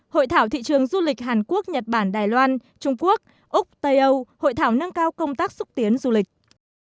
hội thảo thị trường du lịch hàn quốc nhật bản đài loan trung quốc úc tây âu hội thảo nâng cao công tác xúc tiến du lịch